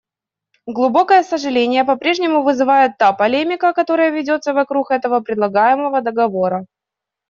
Глубокое сожаление по-прежнему вызывает та полемика, которая ведется вокруг этого предлагаемого договора.